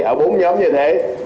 ở bốn nhóm như thế